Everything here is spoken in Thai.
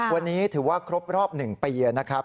วันนี้ถือว่าครบรอบ๑ปีนะครับ